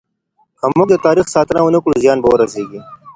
که موږ د تاريخ ساتنه ونه کړو، زيان به رسيږي.